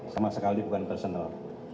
sama sekali bukan personal